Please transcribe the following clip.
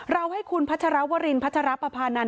ให้คุณพัชรวรินพัชรปภานันท